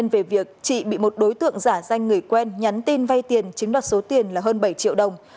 về việc chị bị một đối tượng giả danh người quen nhắn tin vay tiền chiếm đoạt số tiền là hơn bảy triệu đồng